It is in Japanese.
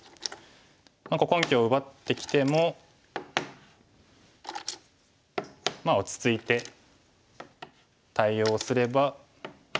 根拠を奪ってきてもまあ落ち着いて対応すれば。